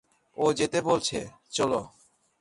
ও যেতে বলছে, চলো।